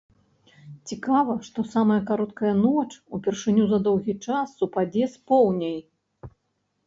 Цікава, што самая кароткая ноч упершыню за доўгі час супадзе з поўняй.